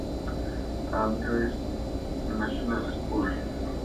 Andrew's National School".